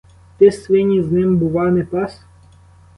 Ти свині з ним, бува, не пас?